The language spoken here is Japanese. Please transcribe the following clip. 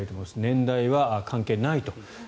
年代は関係ないと。